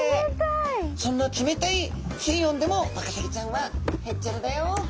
そんな冷たい水温でもワカサギちゃんは「へっちゃらだよ」